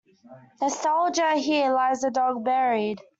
Nostalgia Here lies the dog buried.